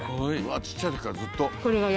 ちっちゃい時からずっと。